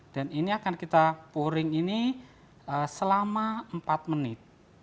dan ini akan kita pouring ini selama empat menit